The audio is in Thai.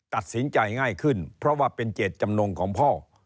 ตัดสินใจง่ายขึ้นเพราะว่าเป็นเจตจำนงของพ่อ